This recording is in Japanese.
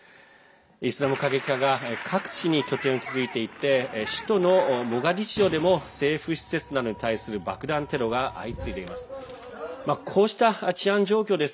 イスラム過激派が各地に拠点を築いていて首都のモガディシオでも政府施設などに対する爆弾テロが相次いでいます。